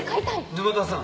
沼田さん。